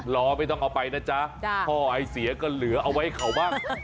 ล้อไม่ต้องเอาไปนะจ๊ะท่อไอเสียก็เหลือเอาไว้เขาบ้าง